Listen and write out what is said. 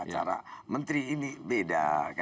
cara menteri ini beda